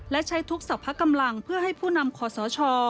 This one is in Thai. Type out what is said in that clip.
และใช้ทุกสรรพกำลังเพื่อให้ผู้นำคอสช